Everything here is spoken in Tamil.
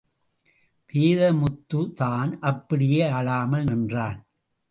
வேதமுத்துதான், அப்படியே அழாமல் நின்றான்.